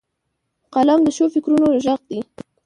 قلم د ښو فکرونو غږ دی